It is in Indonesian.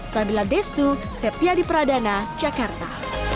sabila destu sepia di pradana jakarta